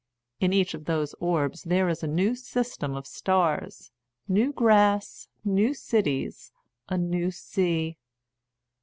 In each of those orbs there is a new sys tem of stars, new grass, new cities, a new sea.